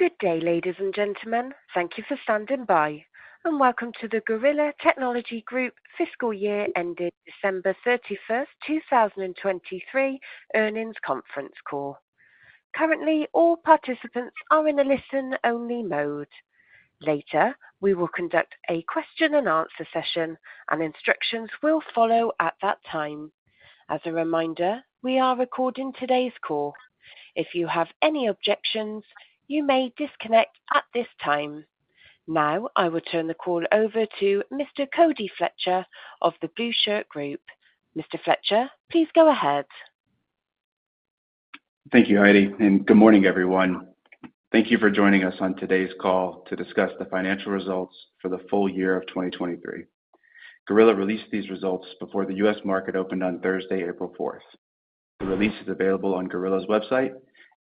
Good day, ladies and gentlemen. Thank you for standing by, and welcome to the Gorilla Technology Group fiscal year ended December 31st, 2023 earnings conference call. Currently, all participants are in a listen-only mode. Later, we will conduct a question-and-answer session, and instructions will follow at that time. As a reminder, we are recording today's call. If you have any objections, you may disconnect at this time. Now, I will turn the call over to Mr. Cody Fletcher of The Blueshirt Group. Mr. Fletcher, please go ahead. Thank you, Heidi, and good morning, everyone. Thank you for joining us on today's call to discuss the financial results for the full year of 2023. Gorilla released these results before the U.S. market opened on Thursday, April 4th. The release is available on Gorilla's website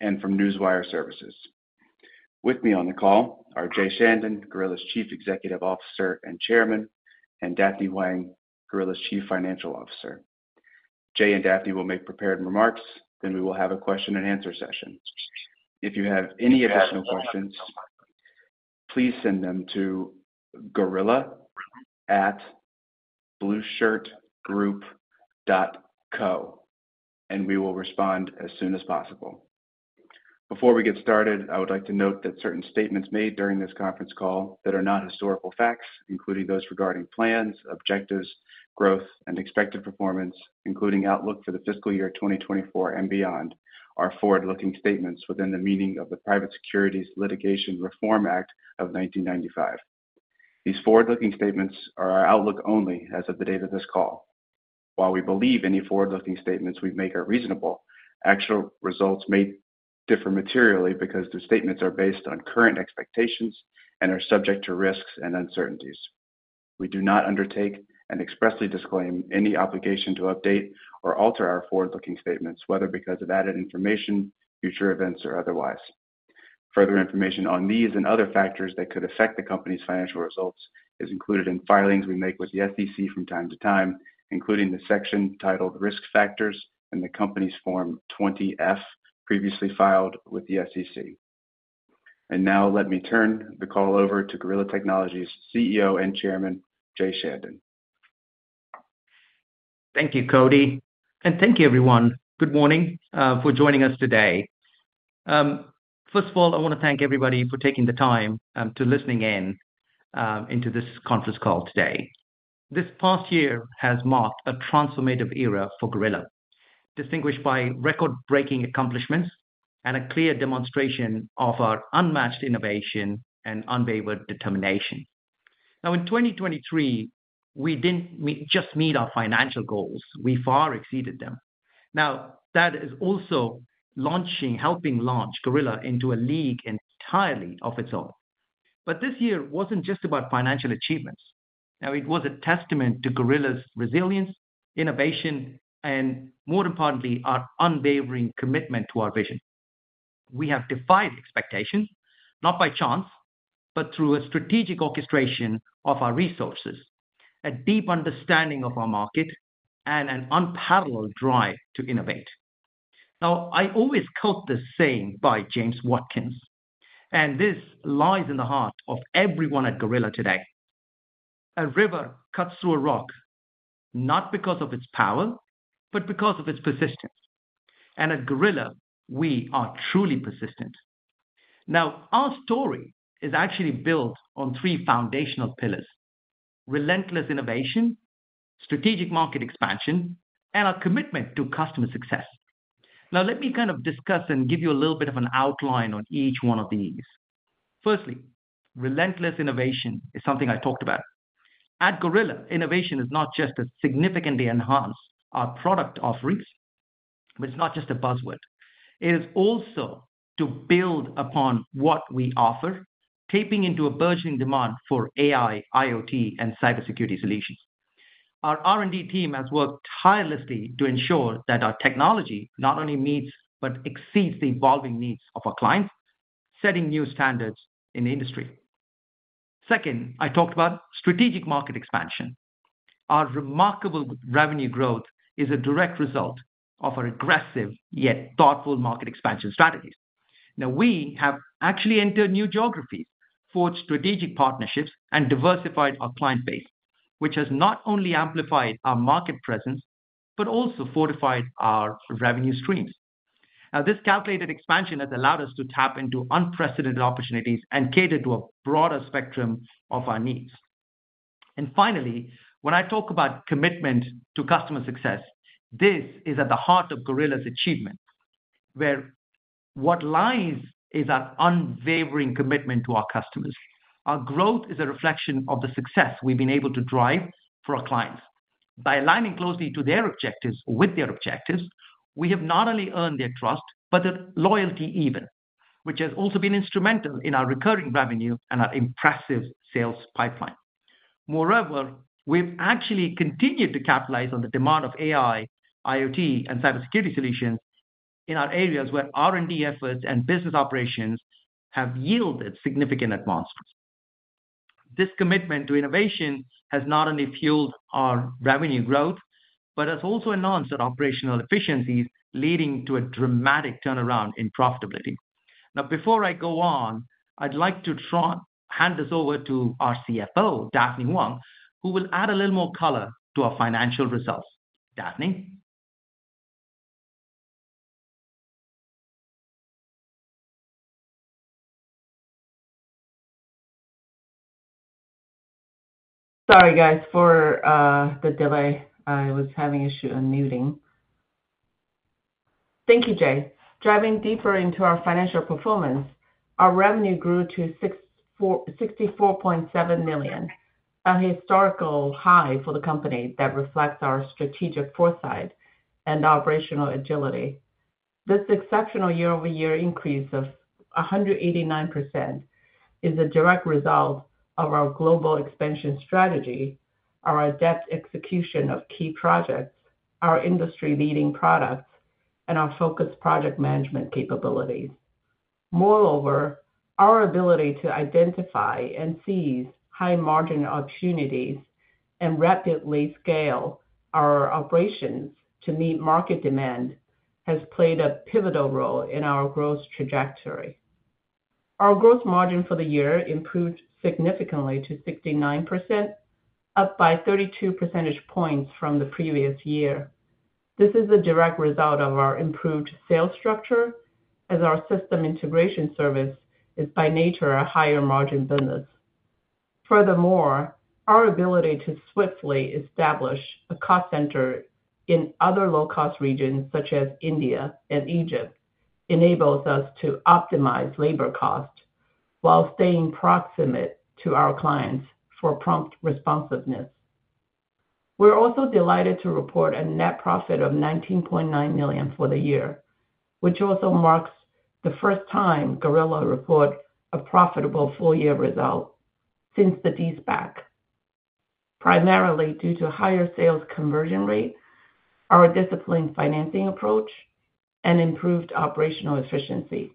and from Newswire Services. With me on the call are Jay Chandan, Gorilla's Chief Executive Officer and Chairman, and Daphne Huang, Gorilla's Chief Financial Officer. Jay and Daphne will make prepared remarks, then we will have a question-and-answer session. If you have any additional questions, please send them to gorilla@blueshirtgroup.co, and we will respond as soon as possible. Before we get started, I would like to note that certain statements made during this conference call that are not historical facts, including those regarding plans, objectives, growth, and expected performance, including outlook for the fiscal year 2024 and beyond, are forward-looking statements within the meaning of the Private Securities Litigation Reform Act of 1995. These forward-looking statements are our outlook only as of the date of this call. While we believe any forward-looking statements we make are reasonable, actual results may differ materially because the statements are based on current expectations and are subject to risks and uncertainties. We do not undertake and expressly disclaim any obligation to update or alter our forward-looking statements, whether because of added information, future events, or otherwise. Further information on these and other factors that could affect the company's financial results is included in filings we make with the SEC from time to time, including the section titled Risk Factors in the company's Form 20-F previously filed with the SEC. And now, let me turn the call over to Gorilla Technology's CEO and Chairman, Jay Chandan. Thank you, Cody. And thank you, everyone. Good morning for joining us today. First of all, I want to thank everybody for taking the time to listen in on this conference call today. This past year has marked a transformative era for Gorilla, distinguished by record-breaking accomplishments and a clear demonstration of our unmatched innovation and unwavering determination. Now, in 2023, we didn't just meet our financial goals. We far exceeded them. Now, that is also helping launch Gorilla into a league entirely of its own. But this year wasn't just about financial achievements. Now, it was a testament to Gorilla's resilience, innovation, and more importantly, our unwavering commitment to our vision. We have defied expectations, not by chance, but through a strategic orchestration of our resources, a deep understanding of our market, and an unparalleled drive to innovate. Now, I always quote this saying by James Watkins, and this lies in the heart of everyone at Gorilla today: "A river cuts through a rock, not because of its power, but because of its persistence." At Gorilla, we are truly persistent. Now, our story is actually built on three foundational pillars: relentless innovation, strategic market expansion, and our commitment to customer success. Now, let me kind of discuss and give you a little bit of an outline on each one of these. Firstly, relentless innovation is something I talked about. At Gorilla, innovation is not just to significantly enhance our product offerings, but it's not just a buzzword. It is also to build upon what we offer, tapping into a burgeoning demand for AI, IoT, and cybersecurity solutions. Our R&D team has worked tirelessly to ensure that our technology not only meets but exceeds the evolving needs of our clients, setting new standards in the industry. Second, I talked about strategic market expansion. Our remarkable revenue growth is a direct result of our aggressive yet thoughtful market expansion strategies. Now, we have actually entered new geographies, forged strategic partnerships, and diversified our client base, which has not only amplified our market presence but also fortified our revenue streams. Now, this calculated expansion has allowed us to tap into unprecedented opportunities and cater to a broader spectrum of our needs. And finally, when I talk about commitment to customer success, this is at the heart of Gorilla's achievement, where what lies is our unwavering commitment to our customers. Our growth is a reflection of the success we've been able to drive for our clients. By aligning closely to their objectives with their objectives, we have not only earned their trust but their loyalty even, which has also been instrumental in our recurring revenue and our impressive sales pipeline. Moreover, we've actually continued to capitalize on the demand of AI, IoT, and cybersecurity solutions in our areas where R&D efforts and business operations have yielded significant advancements. This commitment to innovation has not only fueled our revenue growth but has also enhanced our operational efficiencies, leading to a dramatic turnaround in profitability. Now, before I go on, I'd like to hand this over to our CFO, Daphne Huang, who will add a little more color to our financial results. Daphne? Sorry, guys, for the delay. I was having issues unmuting. Thank you, Jay. Driving deeper into our financial performance, our revenue grew to $64.7 million, a historical high for the company that reflects our strategic foresight and operational agility. This exceptional year-over-year increase of 189% is a direct result of our global expansion strategy, our adept execution of key projects, our industry-leading products, and our focused project management capabilities. Moreover, our ability to identify and seize high-margin opportunities and rapidly scale our operations to meet market demand has played a pivotal role in our growth trajectory. Our gross margin for the year improved significantly to 69%, up by 32 percentage points from the previous year. This is a direct result of our improved sales structure, as our system integration service is by nature a higher-margin business. Furthermore, our ability to swiftly establish a cost center in other low-cost regions such as India and Egypt enables us to optimize labor costs while staying proximate to our clients for prompt responsiveness. We're also delighted to report a net profit of $19.9 million for the year, which also marks the first time Gorilla reported a profitable full-year result since the De-SPAC, primarily due to higher sales conversion rate, our disciplined financing approach, and improved operational efficiency.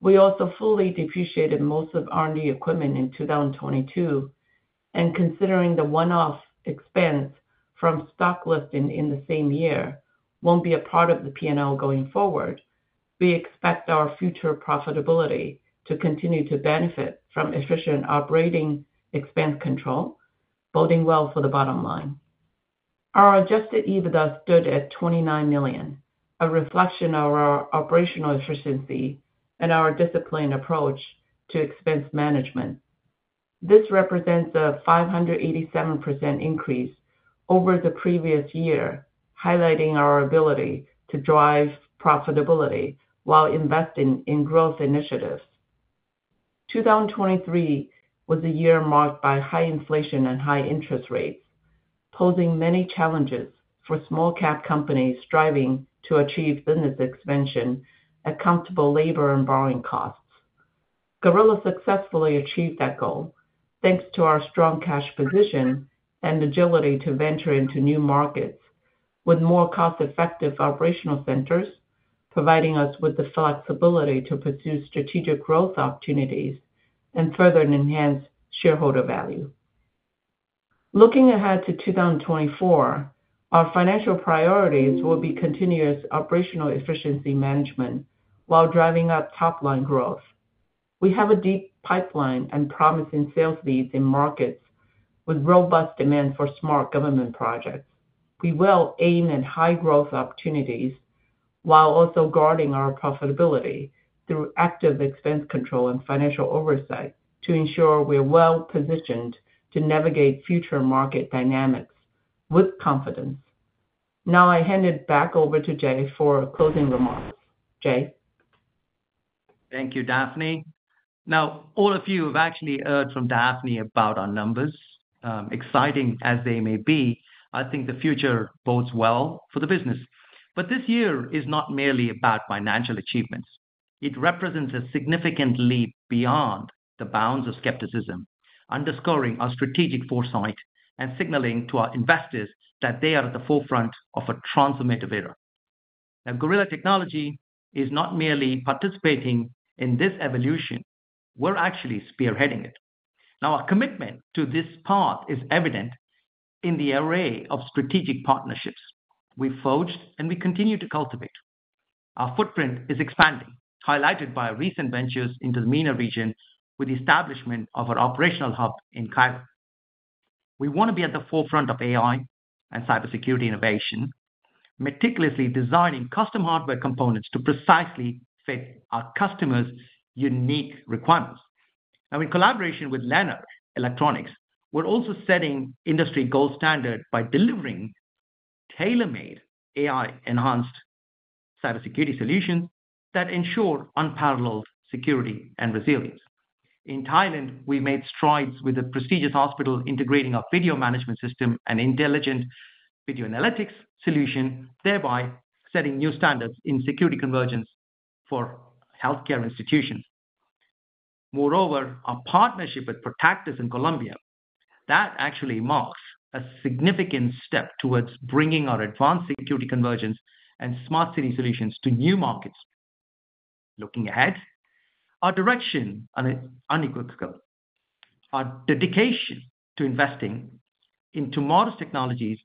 We also fully depreciated most of R&D equipment in 2022, and considering the one-off expense from stock listing in the same year won't be a part of the P&L going forward, we expect our future profitability to continue to benefit from efficient operating expense control, boding well for the bottom line. Our adjusted EBITDA stood at $29 million, a reflection of our operational efficiency and our disciplined approach to expense management. This represents a 587% increase over the previous year, highlighting our ability to drive profitability while investing in growth initiatives. 2023 was a year marked by high inflation and high interest rates, posing many challenges for small-cap companies striving to achieve business expansion at comfortable labor and borrowing costs. Gorilla successfully achieved that goal thanks to our strong cash position and agility to venture into new markets, with more cost-effective operational centers providing us with the flexibility to pursue strategic growth opportunities and further enhance shareholder value. Looking ahead to 2024, our financial priorities will be continuous operational efficiency management while driving up top-line growth. We have a deep pipeline and promising sales leads in markets with robust demand for smart government projects. We will aim at high-growth opportunities while also guarding our profitability through active expense control and financial oversight to ensure we're well-positioned to navigate future market dynamics with confidence. Now, I hand it back over to Jay for closing remarks. Jay? Thank you, Daphne. Now, all of you have actually heard from Daphne about our numbers. Exciting as they may be, I think the future bodes well for the business. But this year is not merely about financial achievements. It represents a significant leap beyond the bounds of skepticism, underscoring our strategic foresight and signaling to our investors that they are at the forefront of a transformative era. Now, Gorilla Technology is not merely participating in this evolution. We're actually spearheading it. Now, our commitment to this path is evident in the array of strategic partnerships we forged and we continue to cultivate. Our footprint is expanding, highlighted by recent ventures into the MENA region with the establishment of our operational hub in Cairo. We want to be at the forefront of AI and cybersecurity innovation, meticulously designing custom hardware components to precisely fit our customers' unique requirements. Now, in collaboration with Lanner Electronics, we're also setting industry gold standard by delivering tailor-made AI-enhanced cybersecurity solutions that ensure unparalleled security and resilience. In Thailand, we've made strides with a prestigious hospital integrating our video management system and intelligent video analytics solution, thereby setting new standards in security convergence for healthcare institutions. Moreover, our partnership with Protic in Colombia actually marks a significant step towards bringing our advanced security convergence and smart city solutions to new markets. Looking ahead, our direction is unequivocal. Our dedication to investing in tomorrow's technologies,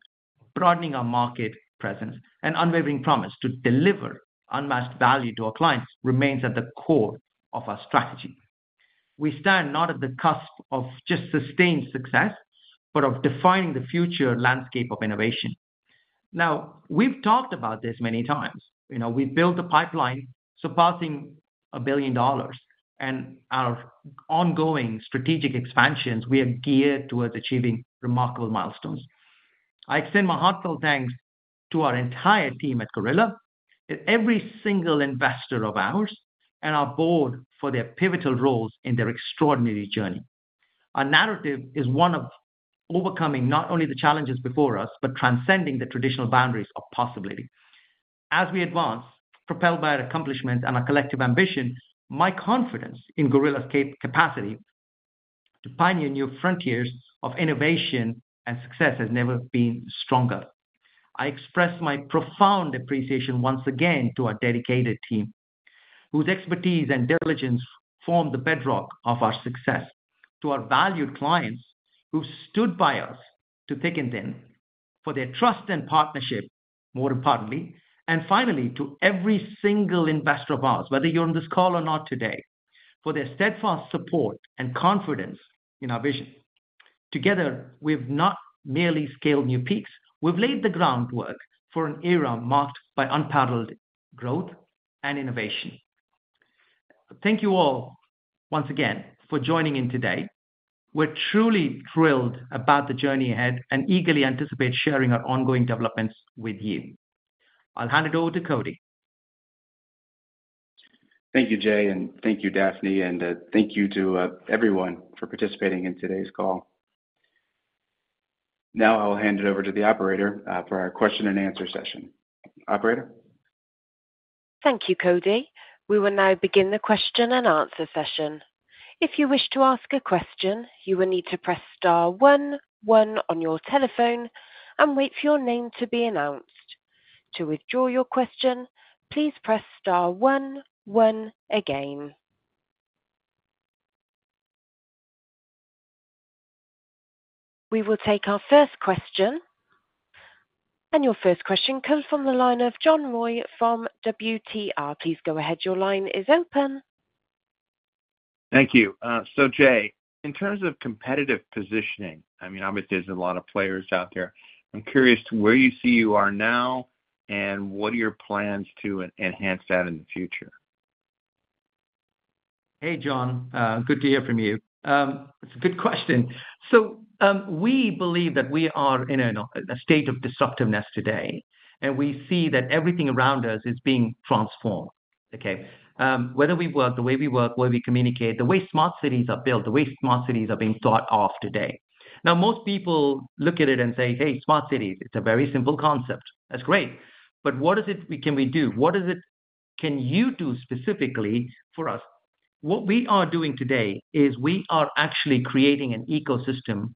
broadening our market presence, and unwavering promise to deliver unmatched value to our clients remains at the core of our strategy. We stand not at the cusp of just sustained success but of defining the future landscape of innovation. Now, we've talked about this many times. We've built a pipeline surpassing $1 billion, and our ongoing strategic expansions, we are geared towards achieving remarkable milestones. I extend my heartfelt thanks to our entire team at Gorilla, every single investor of ours, and our board for their pivotal roles in their extraordinary journey. Our narrative is one of overcoming not only the challenges before us but transcending the traditional boundaries of possibility. As we advance, propelled by our accomplishments and our collective ambition, my confidence in Gorilla's capacity to pioneer new frontiers of innovation and success has never been stronger. I express my profound appreciation once again to our dedicated team, whose expertise and diligence form the bedrock of our success, to our valued clients, who stood by us through thick and thin for their trust and partnership, more importantly, and finally, to every single investor of ours, whether you're on this call or not today, for their steadfast support and confidence in our vision. Together, we've not merely scaled new peaks. We've laid the groundwork for an era marked by unparalleled growth and innovation. Thank you all once again for joining in today. We're truly thrilled about the journey ahead and eagerly anticipate sharing our ongoing developments with you. I'll hand it over to Cody. Thank you, Jay, and thank you, Daphne, and thank you to everyone for participating in today's call. Now, I'll hand it over to the operator for our question-and-answer session. Operator? Thank you, Cody. We will now begin the question-and-answer session. If you wish to ask a question, you will need to press star 11 on your telephone and wait for your name to be announced. To withdraw your question, please press star 11 again. We will take our first question. Your first question comes from the line of John Roy from WTR. Please go ahead. Your line is open. Thank you. So, Jay, in terms of competitive positioning, I mean, obviously, there's a lot of players out there. I'm curious where you see you are now and what are your plans to enhance that in the future? Hey, John. Good to hear from you. It's a good question. So we believe that we are in a state of disruptiveness today, and we see that everything around us is being transformed, okay, whether we work the way we work, the way we communicate, the way smart cities are built, the way smart cities are being thought of today. Now, most people look at it and say, "Hey, smart cities, it's a very simple concept. That's great." But what is it we can do? What can you do specifically for us? What we are doing today is we are actually creating an ecosystem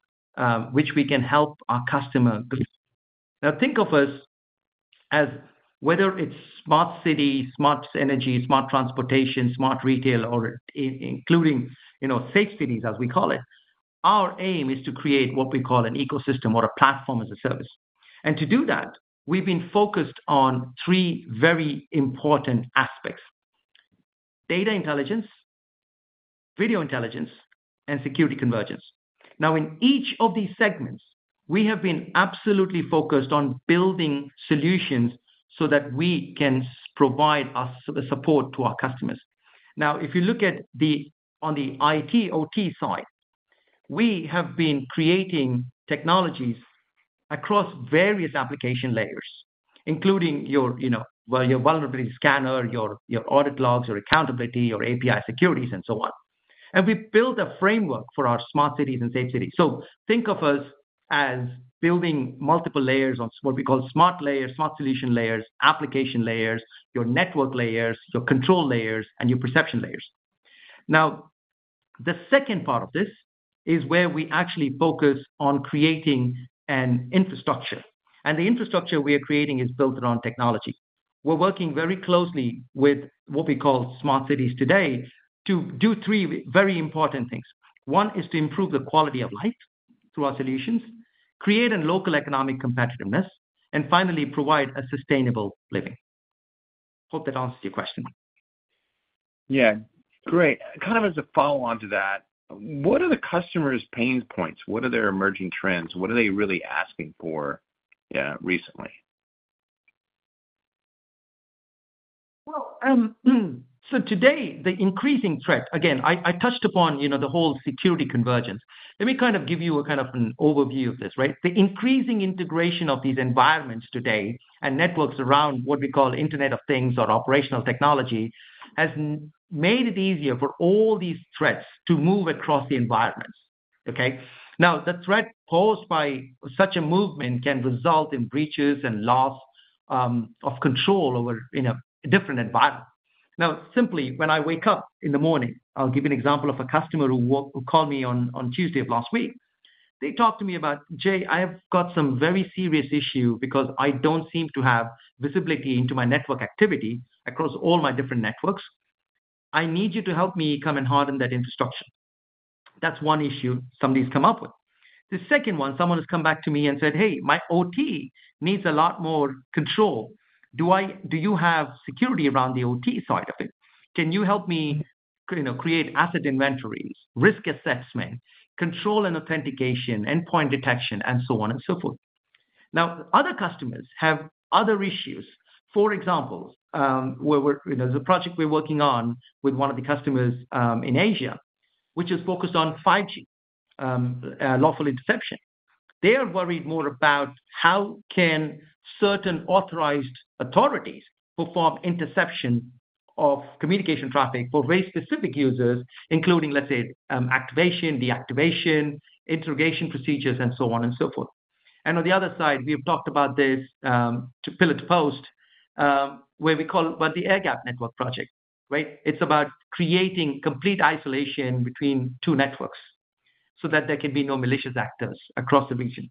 which we can help our customer go. Now, think of us as whether it's smart city, smart energy, smart transportation, smart retail, or including safe cities, as we call it, our aim is to create what we call an ecosystem or a platform as a service. To do that, we've been focused on three very important aspects: data intelligence, video intelligence, and security convergence. Now, in each of these segments, we have been absolutely focused on building solutions so that we can provide support to our customers. Now, if you look at the IT/OT side, we have been creating technologies across various application layers, including your vulnerability scanner, your audit logs, your accountability, your API securities, and so on. We've built a framework for our smart cities and safe cities. So think of us as building multiple layers on what we call smart layers, smart solution layers, application layers, your network layers, your control layers, and your perception layers. Now, the second part of this is where we actually focus on creating an infrastructure. And the infrastructure we are creating is built around technology. We're working very closely with what we call smart cities today to do three very important things. One is to improve the quality of life through our solutions, create local economic competitiveness, and finally, provide a sustainable living. Hope that answers your question. Yeah, great. Kind of as a follow-on to that, what are the customers' pain points? What are their emerging trends? What are they really asking for recently? Well, so today, the increasing threat again, I touched upon the whole security convergence. Let me kind of give you a kind of an overview of this, right? The increasing integration of these environments today and networks around what we call Internet of Things or operational technology has made it easier for all these threats to move across the environments, okay? Now, the threat posed by such a movement can result in breaches and loss of control over a different environment. Now, simply, when I wake up in the morning, I'll give you an example of a customer who called me on Tuesday of last week. They talked to me about, "Jay, I have got some very serious issue because I don't seem to have visibility into my network activity across all my different networks. I need you to help me come and harden that infrastructure." That's one issue somebody's come up with. The second one, someone has come back to me and said, "Hey, my OT needs a lot more control. Do you have security around the OT side of it? Can you help me create asset inventories, risk assessment, control and authentication, endpoint detection, and so on and so forth?" Now, other customers have other issues. For example, there's a project we're working on with one of the customers in Asia, which is focused on 5G, lawful interception. They are worried more about how can certain authorized authorities perform interception of communication traffic for very specific users, including, let's say, activation, deactivation, interrogation procedures, and so on and so forth. On the other side, we have talked about this from pillar to post where we call the Airgap Network Project, right? It's about creating complete isolation between two networks so that there can be no malicious actors across the region.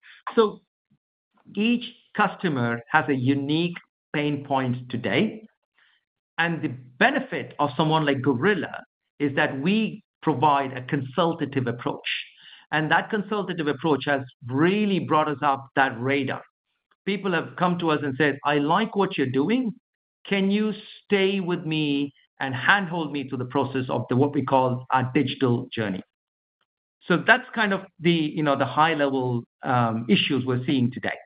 Each customer has a unique pain point today. The benefit of someone like Gorilla is that we provide a consultative approach. That consultative approach has really brought us on the radar. People have come to us and said, "I like what you're doing. Can you stay with me and handhold me through the process of what we call our digital journey?" That's kind of the high-level issues we're seeing today.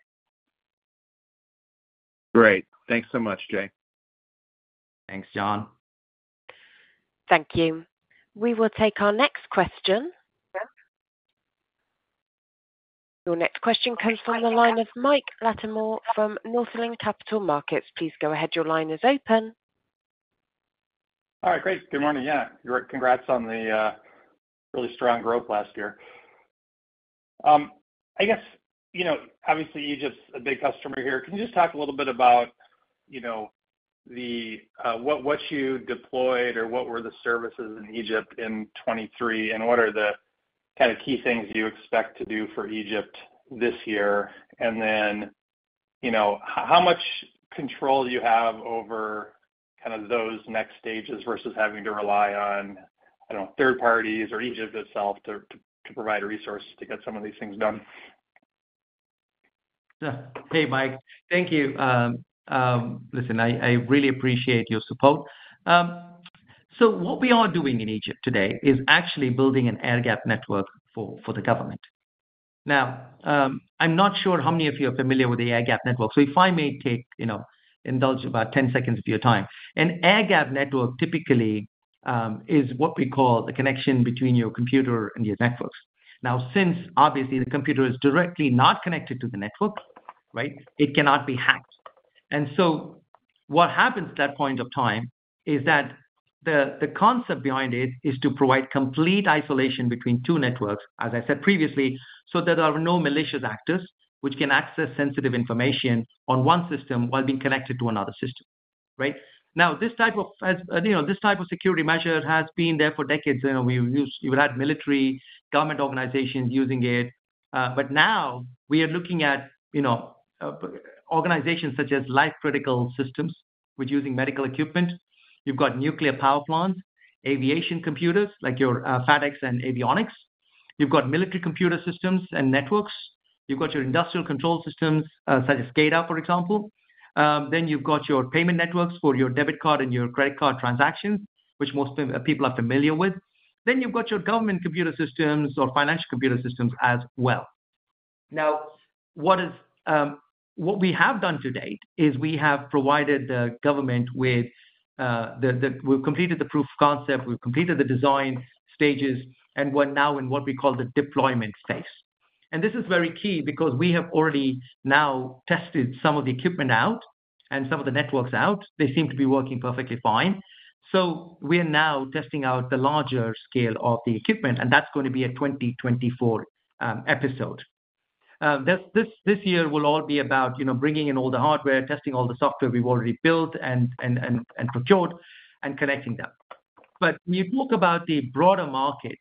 Great. Thanks so much, Jay. Thanks, John. Thank you. We will take our next question. Your next question comes from the line of Mike Latimore from Northland Capital Markets. Please go ahead. Your line is open. All right, great. Good morning. Yeah, congrats on the really strong growth last year. I guess, obviously, Egypt's a big customer here. Can you just talk a little bit about what you deployed or what were the services in Egypt in 2023, and what are the kind of key things you expect to do for Egypt this year? And then how much control do you have over kind of those next stages versus having to rely on, I don't know, third parties or Egypt itself to provide resources to get some of these things done? Yeah. Hey, Mike. Thank you. Listen, I really appreciate your support. So what we are doing in Egypt today is actually building an Airgap Network for the government. Now, I'm not sure how many of you are familiar with the Airgap Network. So if I may take about 10 seconds of your time, an Airgap Network typically is what we call the connection between your computer and your networks. Now, since obviously, the computer is directly not connected to the network, right, it cannot be hacked. And so what happens at that point of time is that the concept behind it is to provide complete isolation between two networks, as I said previously, so that there are no malicious actors which can access sensitive information on one system while being connected to another system, right? Now, this type of security measure has been there for decades. You had military government organizations using it. But now, we are looking at organizations such as life-critical systems which are using medical equipment. You've got nuclear power plants, aviation computers like your FedEx and avionics. You've got military computer systems and networks. You've got your industrial control systems such as SCADA, for example. Then you've got your payment networks for your debit card and your credit card transactions, which most people are familiar with. Then you've got your government computer systems or financial computer systems as well. Now, what we have done to date is we've completed the proof of concept. We've completed the design stages. We're now in what we call the deployment phase. This is very key because we have already now tested some of the equipment out and some of the networks out. They seem to be working perfectly fine. So we are now testing out the larger scale of the equipment. And that's going to be a 2024 episode. This year will all be about bringing in all the hardware, testing all the software we've already built and procured, and connecting them. But when you talk about the broader market,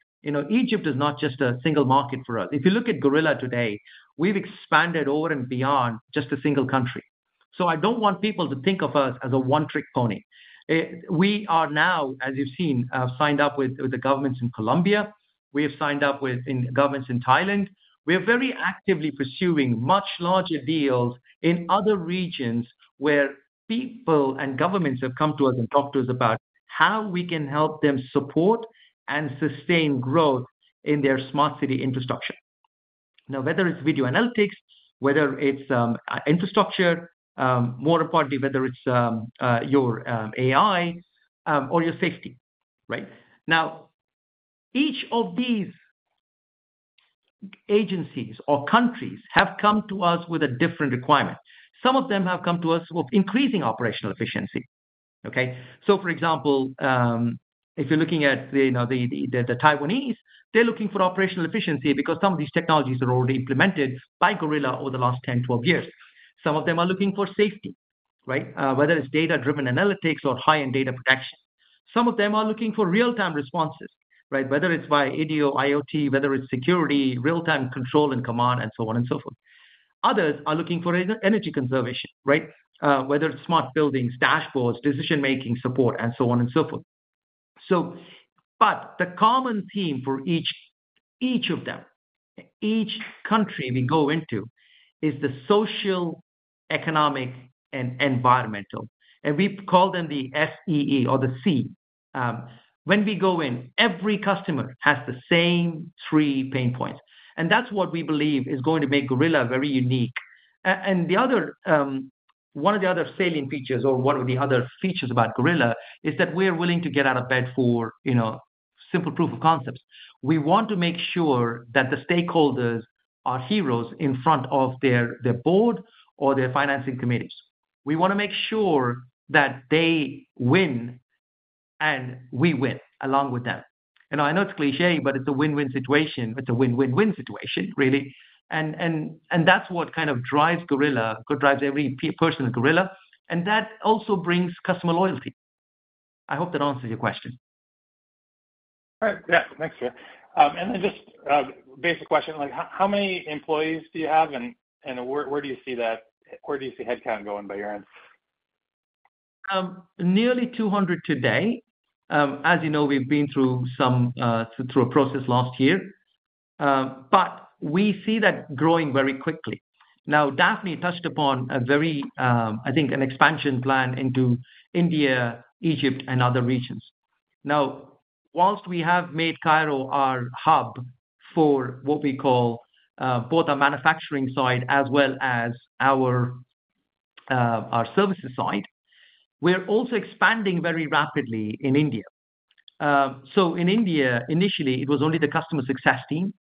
Egypt is not just a single market for us. If you look at Gorilla today, we've expanded over and beyond just a single country. So I don't want people to think of us as a one-trick pony. We are now, as you've seen, signed up with the governments in Colombia. We have signed up with governments in Thailand. We are very actively pursuing much larger deals in other regions where people and governments have come to us and talked to us about how we can help them support and sustain growth in their smart city infrastructure. Now, whether it's video analytics, whether it's infrastructure, more importantly, whether it's your AI or your safety, right? Now, each of these agencies or countries have come to us with a different requirement. Some of them have come to us with increasing operational efficiency, okay? So, for example, if you're looking at the Taiwanese, they're looking for operational efficiency because some of these technologies are already implemented by Gorilla over the last 10, 12 years. Some of them are looking for safety, right, whether it's data-driven analytics or high-end data protection. Some of them are looking for real-time responses, right, whether it's via EDO, IoT, whether it's security, real-time control and command, and so on and so forth. Others are looking for energy conservation, right, whether it's smart buildings, dashboards, decision-making support, and so on and so forth. But the common theme for each of them, each country we go into, is the social, economic, and environmental. And we call them the SEE or the C. When we go in, every customer has the same three pain points. And that's what we believe is going to make Gorilla very unique. And one of the other salient features or one of the other features about Gorilla is that we're willing to get out of bed for simple proof of concepts. We want to make sure that the stakeholders are heroes in front of their board or their financing committees. We want to make sure that they win and we win along with them. I know it's cliché, but it's a win-win situation. It's a win-win-win situation, really. And that also brings customer loyalty. I hope that answers your question. All right. Yeah, thanks, Jay. And then just a basic question. How many employees do you have? And where do you see that? Where do you see headcount going by your end? Nearly 200 today. As you know, we've been through a process last year. But we see that growing very quickly. Now, Daphne touched upon a very, I think, an expansion plan into India, Egypt, and other regions. Now, while we have made Cairo our hub for what we call both our manufacturing side as well as our services side, we're also expanding very rapidly in India. So in India, initially, it was only the customer success team.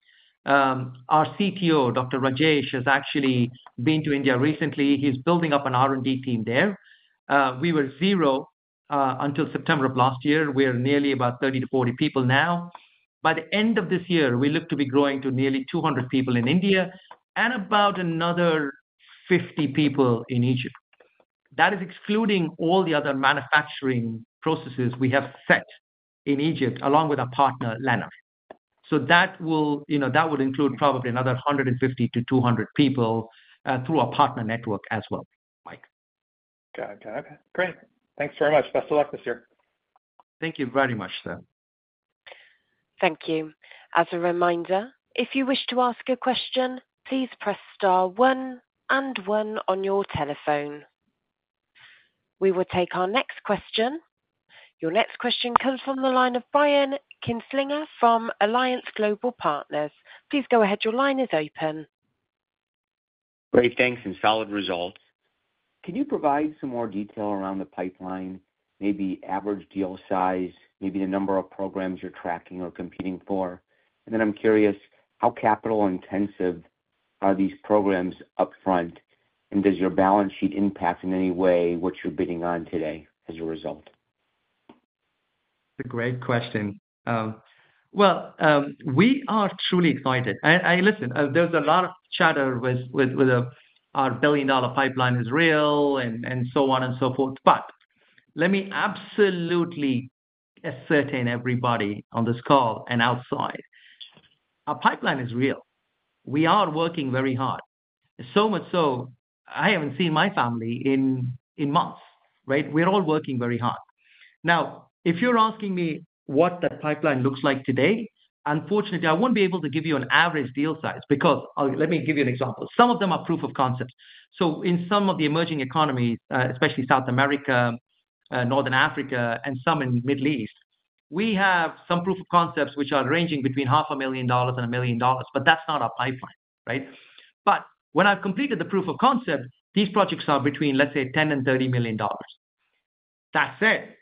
Our CTO, Dr. Rajesh, has actually been to India recently. He's building up an R&D team there. We were 0 until September of last year. We're nearly about 30-40 people now. By the end of this year, we look to be growing to nearly 200 people in India and about another 50 people in Egypt. That is excluding all the other manufacturing processes we have set in Egypt along with our partner, Lanner. So that would include probably another 150-200 people through our partner network as well, Mike. Got it. Got it. Okay. Great. Thanks very much. Best of luck this year. Thank you very much, sir. Thank you. As a reminder, if you wish to ask a question, please press star 1 and 1 on your telephone. We will take our next question. Your next question comes from the line of Brian Kinstlinger from Alliance Global Partners. Please go ahead. Your line is open. Great. Thanks. Solid results. Can you provide some more detail around the pipeline, maybe average deal size, maybe the number of programs you're tracking or competing for? And then I'm curious, how capital-intensive are these programs upfront? And does your balance sheet impact in any way what you're bidding on today as a result? It's a great question. Well, we are truly excited. Listen, there's a lot of chatter with our billion-dollar pipeline is real and so on and so forth. But let me absolutely ascertain everybody on this call and outside. Our pipeline is real. We are working very hard. So much so, I haven't seen my family in months, right? We're all working very hard. Now, if you're asking me what that pipeline looks like today, unfortunately, I won't be able to give you an average deal size because let me give you an example. Some of them are proof of concept. So in some of the emerging economies, especially South America, Northern Africa, and some in the Middle East, we have some proof of concepts which are ranging between $500,000 and $1 million. But that's not our pipeline, right? But when I've completed the proof of concept, these projects are between, let's say, $10 million and $30 million. That said,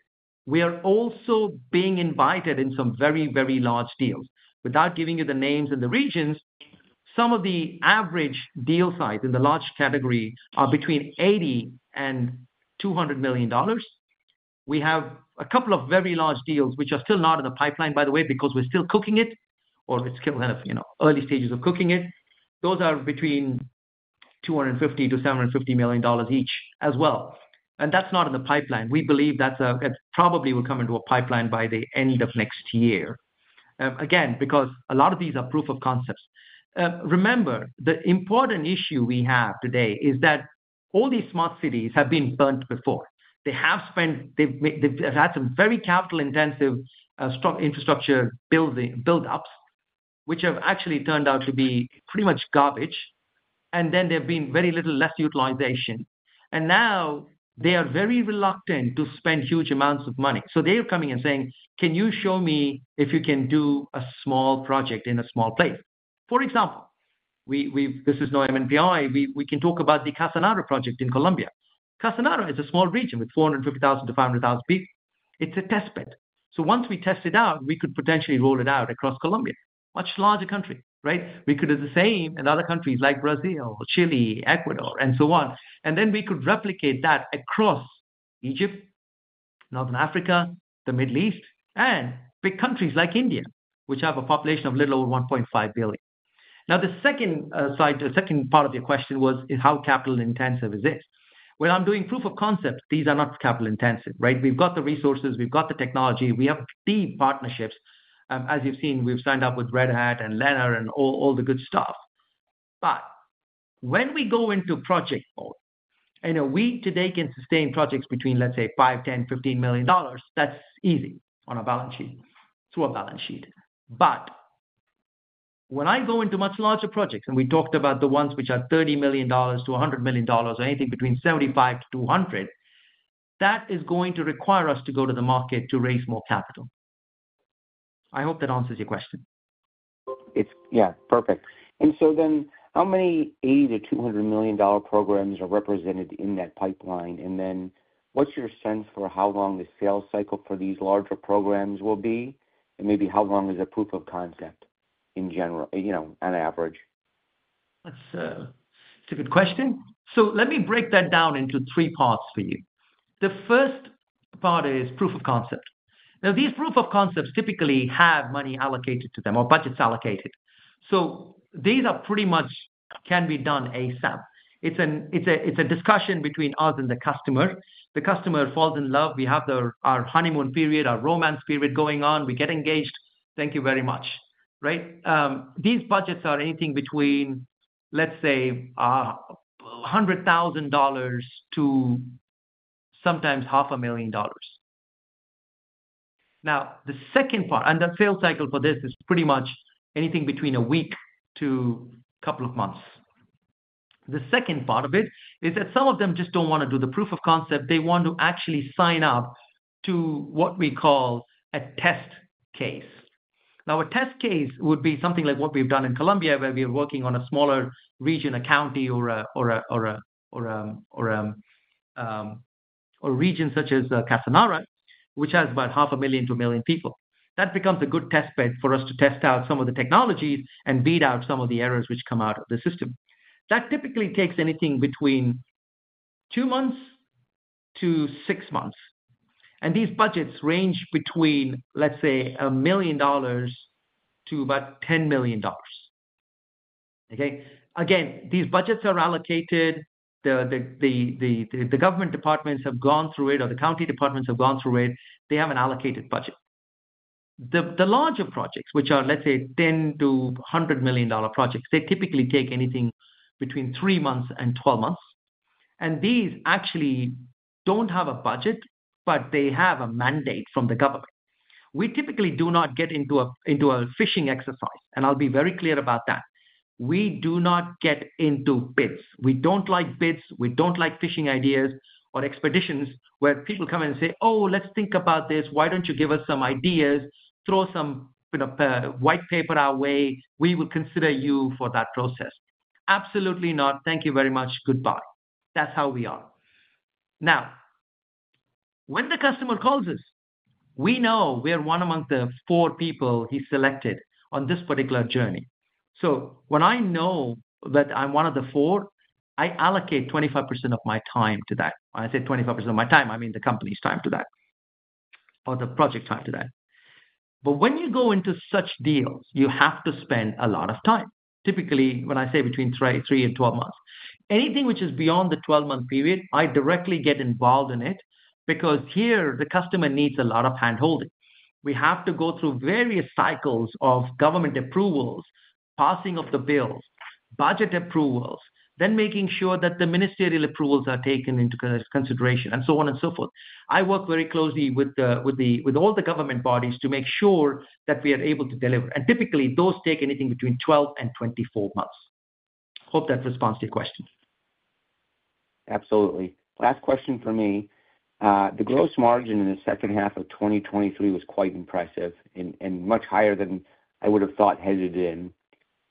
we are also being invited in some very, very large deals. Without giving you the names and the regions, some of the average deal size in the large category are between $80 million and $200 million. We have a couple of very large deals which are still not in the pipeline, by the way, because we're still cooking it or it's still kind of early stages of cooking it. Those are between $250 million-$750 million each as well. That's not in the pipeline. We believe that probably will come into a pipeline by the end of next year, again, because a lot of these are proof of concepts. Remember, the important issue we have today is that all these smart cities have been burnt before. They have had some very capital-intensive infrastructure buildups which have actually turned out to be pretty much garbage. And then there have been very little less utilization. And now, they are very reluctant to spend huge amounts of money. So they're coming and saying, "Can you show me if you can do a small project in a small place?" For example, this is no MNPI. We can talk about the Casanare project in Colombia. Casanare is a small region with 450,000-500,000 people. It's a test bed. So once we test it out, we could potentially roll it out across Colombia, much larger country, right? We could do the same in other countries like Brazil, Chile, Ecuador, and so on. And then we could replicate that across Egypt, North Africa, the Middle East, and big countries like India which have a population of a little over 1.5 billion. Now, the second part of your question was how capital-intensive is this. When I'm doing proof of concept, these are not capital-intensive, right? We've got the resources. We've got the technology. We have deep partnerships. As you've seen, we've signed up with Red Hat and Lanner and all the good stuff. But when we go into project mode, we today can sustain projects between, let's say, $5 million, $10 million, $15 million. That's easy on a balance sheet through a balance sheet. But when I go into much larger projects and we talked about the ones which are $30 million-$100 million or anything between $75 million-$200 million, that is going to require us to go to the market to raise more capital. I hope that answers your question. Yeah, perfect. And so then how many $80 million-$200 million programs are represented in that pipeline? And then what's your sense for how long the sales cycle for these larger programs will be? And maybe how long is a proof of concept in general, on average? It's a good question. So let me break that down into three parts for you. The first part is proof of concept. Now, these proof of concepts typically have money allocated to them or budgets allocated. So these pretty much can be done ASAP. It's a discussion between us and the customer. The customer falls in love. We have our honeymoon period, our romance period going on. We get engaged. Thank you very much, right? These budgets are anything between, let's say, $100,000-$500,000. Now, the second part and the sales cycle for this is pretty much anything between a week to a couple of months. The second part of it is that some of them just don't want to do the proof of concept. They want to actually sign up to what we call a test case. Now, a test case would be something like what we've done in Colombia where we are working on a smaller region, a county, or a region such as Casanare, which has about half a million to a million people. That becomes a good testbed for us to test out some of the technologies and beat out some of the errors which come out of the system. That typically takes anything between 2 months to 6 months. These budgets range between, let's say, $1 million to about $10 million, okay? Again, these budgets are allocated. The government departments have gone through it or the county departments have gone through it. They have an allocated budget. The larger projects which are, let's say, $10 million-$100 million projects, they typically take anything between 3 months and 12 months. These actually don't have a budget, but they have a mandate from the government. We typically do not get into a bidding exercise. I'll be very clear about that. We do not get into bids. We don't like bids. We don't like fishing ideas or expeditions where people come in and say, "Oh, let's think about this. Why don't you give us some ideas? Throw some white paper our way. We will consider you for that process." Absolutely not. Thank you very much. Goodbye. That's how we are. Now, when the customer calls us, we know we are one among the four people he selected on this particular journey. So when I know that I'm one of the four, I allocate 25% of my time to that. When I say 25% of my time, I mean the company's time to that or the project time to that. But when you go into such deals, you have to spend a lot of time. Typically, when I say between 3 and 12 months, anything which is beyond the 12-month period, I directly get involved in it because here, the customer needs a lot of handholding. We have to go through various cycles of government approvals, passing of the bills, budget approvals, then making sure that the ministerial approvals are taken into consideration, and so on and so forth. I work very closely with all the government bodies to make sure that we are able to deliver. And typically, those take anything between 12 and 24 months. Hope that responds to your question. Absolutely. Last question for me. The gross margin in the second half of 2023 was quite impressive and much higher than I would have thought headed in.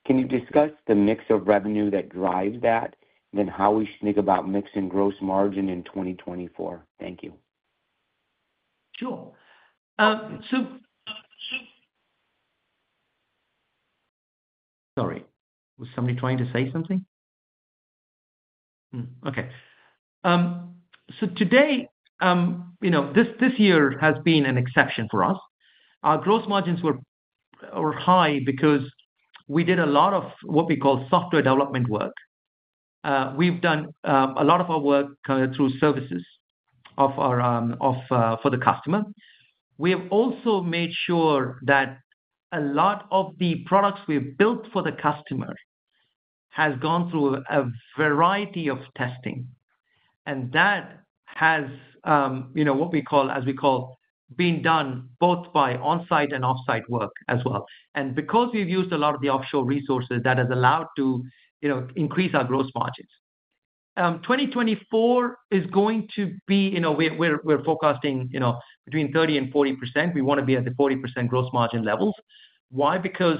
Can you discuss the mix of revenue that drives that and then how we should think about mixing gross margin in 2024? Thank you. Sure. Sorry. Was somebody trying to say something? Okay. So today, this year has been an exception for us. Our gross margins were high because we did a lot of what we call software development work. We've done a lot of our work through services for the customer. We have also made sure that a lot of the products we have built for the customer have gone through a variety of testing. And that has what we call, as we call, been done both by onsite and offsite work as well. And because we've used a lot of the offshore resources, that has allowed to increase our gross margins. 2024 is going to be we're forecasting between 30% and 40%. We want to be at the 40% gross margin levels. Why? Because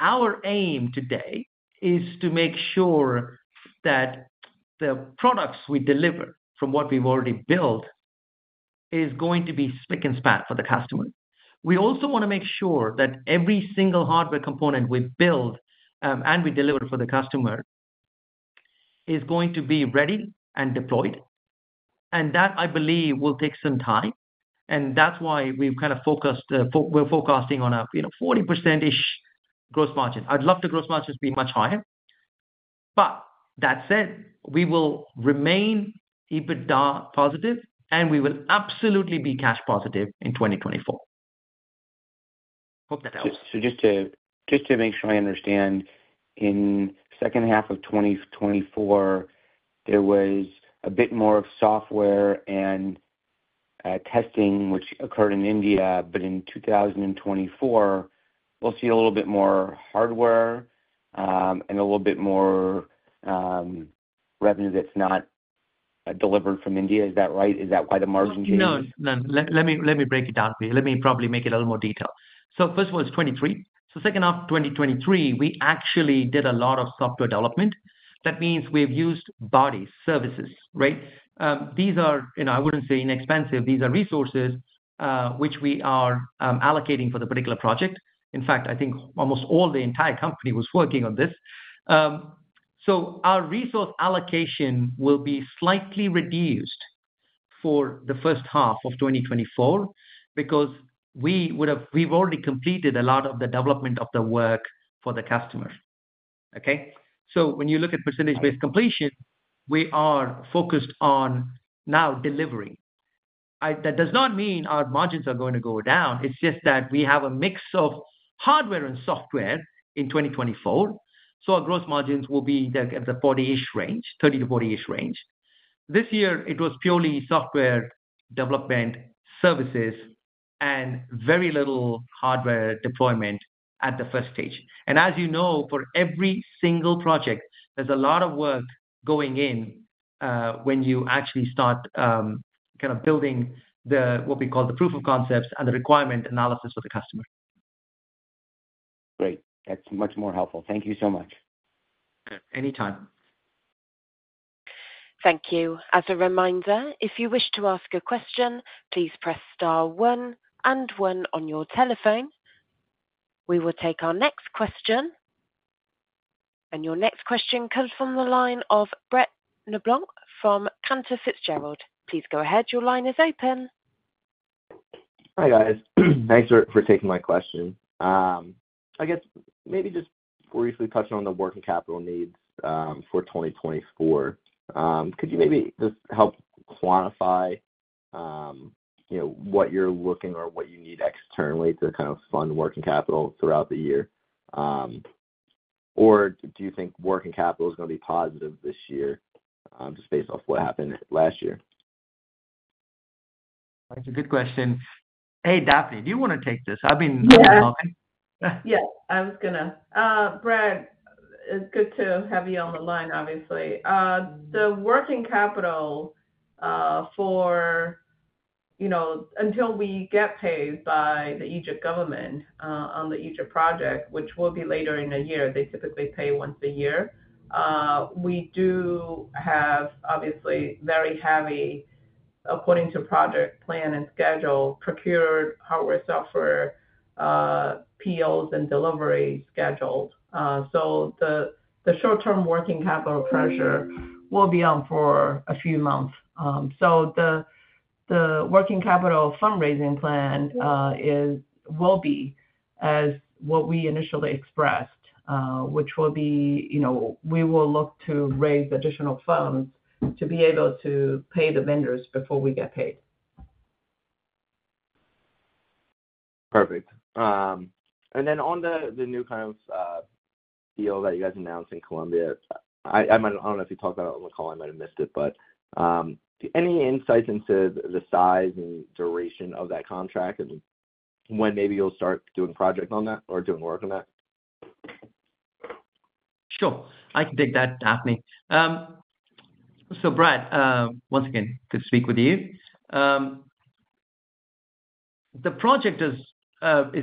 our aim today is to make sure that the products we deliver from what we've already built are going to be spick and span for the customer. We also want to make sure that every single hardware component we build and we deliver for the customer is going to be ready and deployed. And that, I believe, will take some time. And that's why we've kind of focused, we're forecasting on a 40%-ish gross margin. I'd love to gross margins be much higher. But that said, we will remain EBITDA positive, and we will absolutely be cash positive in 2024. Hope that helps. So just to make sure I understand, in the second half of 2024, there was a bit more of software and testing which occurred in India? But in 2024, we'll see a little bit more hardware and a little bit more revenue that's not delivered from India. Is that right? Is that why the margin changed? No, no. Let me break it down for you. Let me probably make it a little more detailed. So first of all, it's 2023. So second half of 2023, we actually did a lot of software development. That means we have used bodies, services, right? These are I wouldn't say inexpensive. These are resources which we are allocating for the particular project. In fact, I think almost all the entire company was working on this. So our resource allocation will be slightly reduced for the first half of 2024 because we've already completed a lot of the development of the work for the customer, okay? So when you look at percentage-based completion, we are focused on now delivering. That does not mean our margins are going to go down. It's just that we have a mix of hardware and software in 2024. So our gross margins will be at the 40-ish range, 30 to 40-ish range. This year, it was purely software development, services, and very little hardware deployment at the first stage. And as you know, for every single project, there's a lot of work going in when you actually start kind of building what we call the proof of concepts and the requirement analysis for the customer. Great. That's much more helpful. Thank you so much. Anytime. Thank you. As a reminder, if you wish to ask a question, please press star one and one on your telephone. We will take our next question. Your next question comes from the line of Brett Knoblauch from Cantor Fitzgerald. Please go ahead. Your line is open. Hi, guys. Thanks for taking my question. I guess maybe just briefly touching on the working capital needs for 2024. Could you maybe just help quantify what you're looking or what you need externally to kind of fund working capital throughout the year? Or do you think working capital is going to be positive this year just based off what happened last year? That's a good question. Hey, Daphne, do you want to take this? I've been talking. Yes. I was going to Brad, good to have you on the line, obviously. The working capital until we get paid by the Egypt government on the Egypt project, which will be later in the year, they typically pay once a year. We do have, obviously, very heavy, according to project plan and schedule, procured hardware, software, POs, and deliveries scheduled. The short-term working capital pressure will be on for a few months. The working capital fundraising plan will be as what we initially expressed, which will be we will look to raise additional funds to be able to pay the vendors before we get paid. Perfect. And then on the new kind of deal that you guys announced in Colombia, I don't know if you talked about it on the call. I might have missed it. But any insights into the size and duration of that contract and when maybe you'll start doing project on that or doing work on that? Sure. I can take that, Daphne. So Brad, once again, good to speak with you. The project is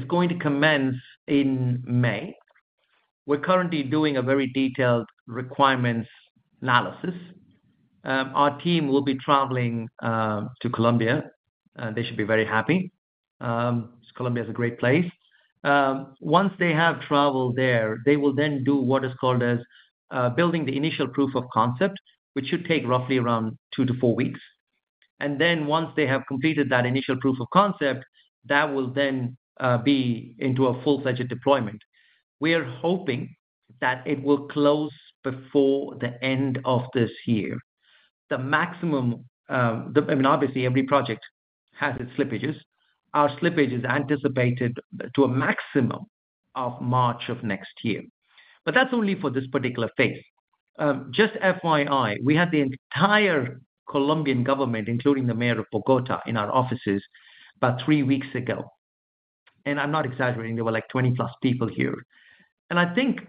going to commence in May. We're currently doing a very detailed requirements analysis. Our team will be traveling to Colombia. They should be very happy because Colombia is a great place. Once they have traveled there, they will then do what is called building the initial proof of concept, which should take roughly around 2-4 weeks. And then once they have completed that initial proof of concept, that will then be into a full-fledged deployment. We are hoping that it will close before the end of this year. The maximum I mean, obviously, every project has its slippages. Our slippage is anticipated to a maximum of March of next year. But that's only for this particular phase. Just FYI, we had the entire Colombian government, including the mayor of Bogotá, in our offices about 3 weeks ago. I'm not exaggerating. There were like 20+ people here. I think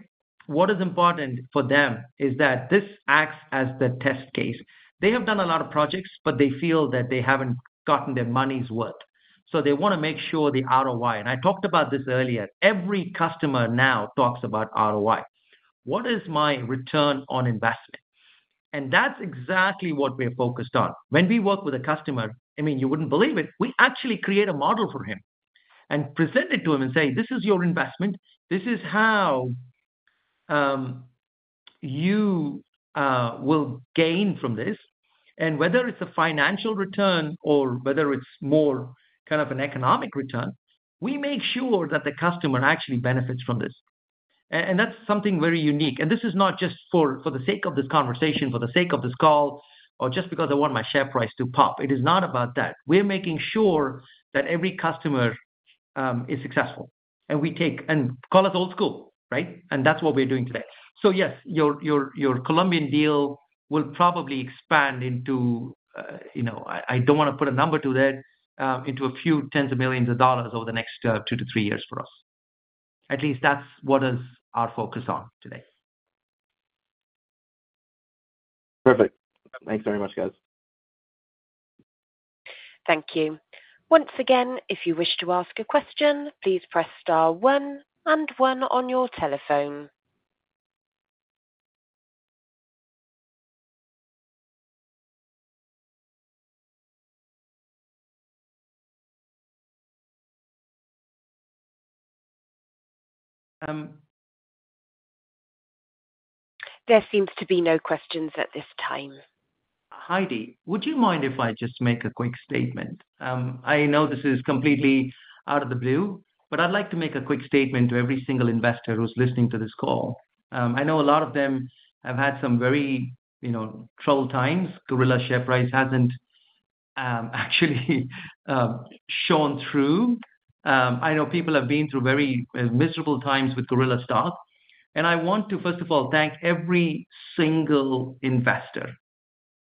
what is important for them is that this acts as the test case. They have done a lot of projects, but they feel that they haven't gotten their money's worth. So they want to make sure the ROI and I talked about this earlier. Every customer now talks about ROI. What is my return on investment? That's exactly what we're focused on. When we work with a customer I mean, you wouldn't believe it. We actually create a model for him and present it to him and say, "This is your investment. This is how you will gain from this." Whether it's a financial return or whether it's more kind of an economic return, we make sure that the customer actually benefits from this. That's something very unique. This is not just for the sake of this conversation, for the sake of this call, or just because I want my share price to pop. It is not about that. We're making sure that every customer is successful. We take and call us old school, right? That's what we're doing today. So yes, your Colombian deal will probably expand into—I don't want to put a number to that—into a few $tens of millions over the next 2-3 years for us. At least that's what is our focus on today. Perfect. Thanks very much, guys. Thank you. Once again, if you wish to ask a question, please press star one and one on your telephone. There seems to be no questions at this time. Heidi, would you mind if I just make a quick statement? I know this is completely out of the blue, but I'd like to make a quick statement to every single investor who's listening to this call. I know a lot of them have had some very troubled times. Gorilla share price hasn't actually shone through. I know people have been through very miserable times with Gorilla stock. And I want to, first of all, thank every single investor.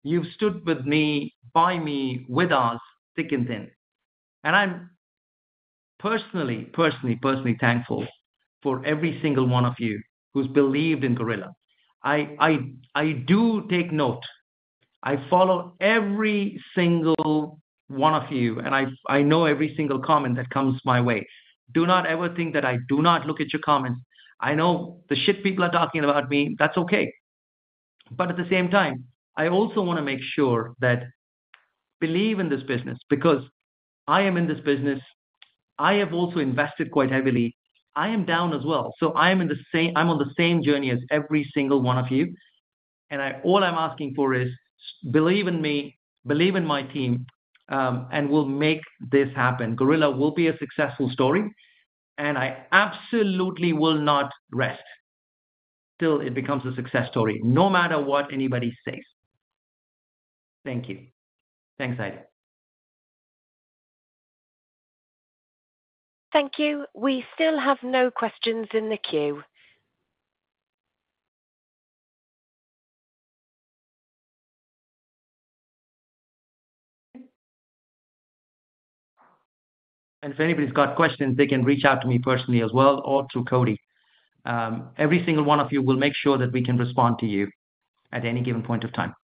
You've stood with me, by me, with us, thick and thin. And I'm personally, personally, personally thankful for every single one of you who's believed in Gorilla. I do take note. I follow every single one of you, and I know every single comment that comes my way. Do not ever think that I do not look at your comments. I know the shit people are talking about me. That's okay. But at the same time, I also want to make sure that believe in this business because I am in this business. I have also invested quite heavily. I am down as well. So I'm on the same journey as every single one of you. And all I'm asking for is believe in me, believe in my team, and we'll make this happen. Gorilla will be a successful story, and I absolutely will not rest till it becomes a success story no matter what anybody says. Thank you. Thanks, Heidi. Thank you. We still have no questions in the queue. If anybody's got questions, they can reach out to me personally as well or to Cody. Every single one of you will make sure that we can respond to you at any given point of time.